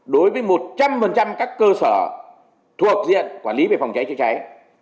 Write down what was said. đối với một trăm linh các cơ sở thuộc diện quản lý về phòng cháy chữa cháy